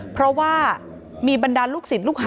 เพราะว่ามีบรรดาลูกศิษย์ลูกหา